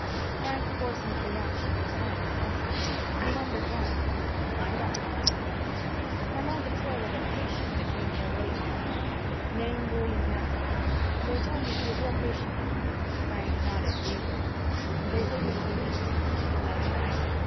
Frank Corson's reaction was slightly hostile. He wondered why. "I'm Doctor Corson." "I'm on the trail of a patient that came here late last night. Name, William Matson. They tell me he was your patient." Frank nodded briefly. "They say he was released." "That's right."